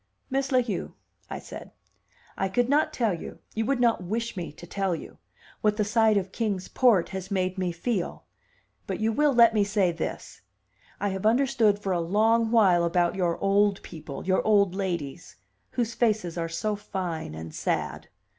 "Miss La Heu," I said, "I could not tell you, you would not wish me to tell you, what the sight of Kings Port has made me feel. But you will let me say this: I have understood for a long while about your old people, your old ladies, whose faces are so fine and sad."